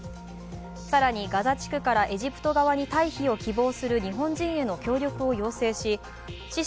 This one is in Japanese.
更にガザ地区からエジプト側に退避を希望する日本人への協力を要請しシシ